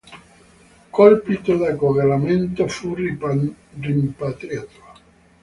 Colpito da congelamento fu rimpatriato.